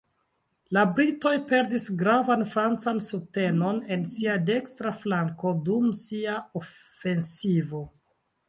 La britoj perdis gravan francan subtenon en sia dekstra flanko dum sia ofensivo.